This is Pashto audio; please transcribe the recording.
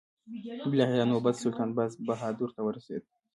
بالاخره نوبت سلطان باز بهادر ته ورسېد.